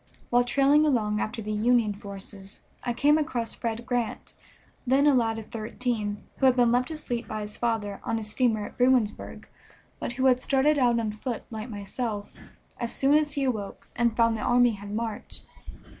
While trailing along after the Union forces I came across Fred Grant, then a lad of thirteen, who had been left asleep by his father on a steamer at Bruinsburg, but who had started out on foot like myself as soon as he awoke and found the army had marched.